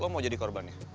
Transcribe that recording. lo mau jadi korban ya